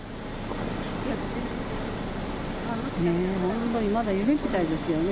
ねえ、本当にまだ夢みたいですよね。